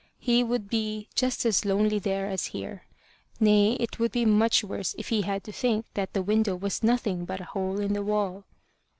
He would be just as lonely there as here. Nay, it would be much worse if he had to think that the window was nothing but a hole in the wall.